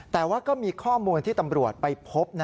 แต่ว่าก็มีข้อมูลที่ตำรวจไปพบ